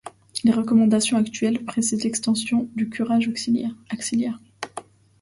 Les recommandations actuelles précisent l'extension du curage axillaire.